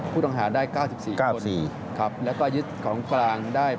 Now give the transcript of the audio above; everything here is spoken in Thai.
ผู้ต้องหาได้๙๔๙๔ครับแล้วก็ยึดของกลางได้